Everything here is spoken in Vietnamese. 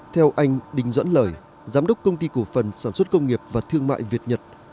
theo anh đình doãn lời giám đốc công ty cổ phần sản xuất công nghiệp và thương mại việt nhật